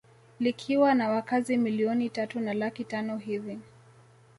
Likiwa na wakazi milioni tatu na laki tano hivi